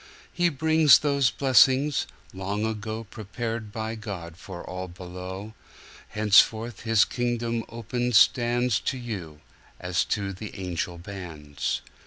He brings those blessings, long agoPrepared by God for all below; Henceforth His kingdom open standsTo you, as to the angel bands.